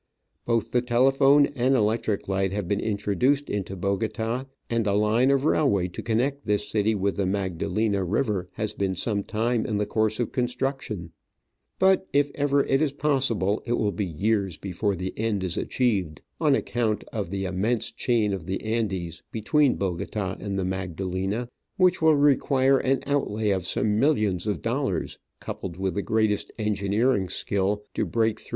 Both the telephone and electric light have been introduced into Bogota, and a line of railway to connect this city with the Magdalena River has been some time in course of construction ; but, if ever it is possible, it will be years before the end is achieved, on account of the immense chain of the Andes between Bogota and the Magdalena, which will require an outlay of some millions of dollars, coupled with the greatest engineering skill, to break through.